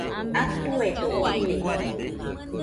Atuedo ine